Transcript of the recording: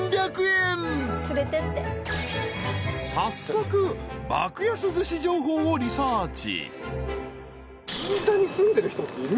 ［早速爆安ずし情報をリサーチ］